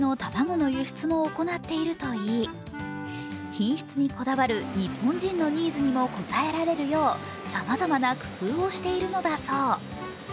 品質にこだわる日本人のニーズにも応えられるようさまざまな工夫をしているのだそう。